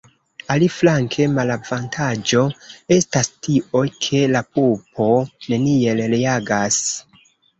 Aliflanke malavantaĝo estas tio, ke la pupo neniel reagas.